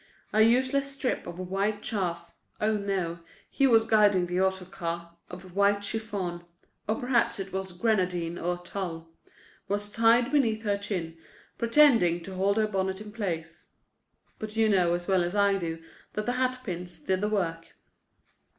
A useless strip of white chaf—oh, no, he was guiding the auto car—of white chiffon—or perhaps it was grenadine or tulle—was tied beneath her chin, pretending to hold her bonnet in place. But you know as well as I do that the hatpins did the work.